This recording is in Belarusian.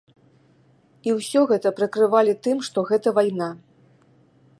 І ўсё гэта прыкрывалі тым, што гэта вайна.